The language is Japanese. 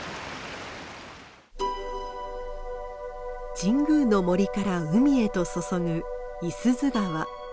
神宮の森から海へと注ぐ五十鈴川。